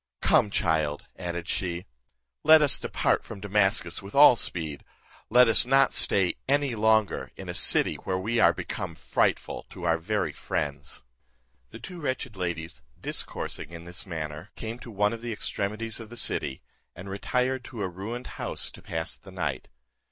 Come, my child," added she, "let us depart from Damascus with all speed; let us not stay any longer in a city where we are become frightful to our very friends." The two wretched ladies, discoursing in this manner, came to one of the extremities of the city, and retired to a ruined house to pass the night.